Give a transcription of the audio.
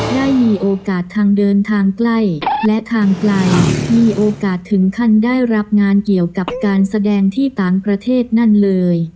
ได้มีโอกาสทางเดินทางใกล้และทางไกลมีโอกาสถึงขั้นได้รับงานเกี่ยวกับการแสดงที่ต่างประเทศนั่นเลย